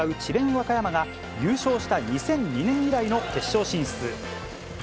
和歌山が、優勝した２００２年以来の決勝進出。